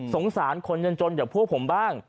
สงสารคนจนอย่างพวกผมบ้าง